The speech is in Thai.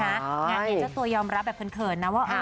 งานนี้เจ้าตัวยอมรับแบบเขินนะว่า